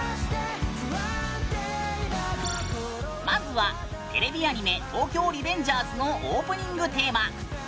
まずはテレビアニメ「東京リベンジャーズ」のオープニングテーマ